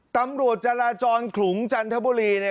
ตำรวจจราจรขลุงจันทบุรีเนี่ย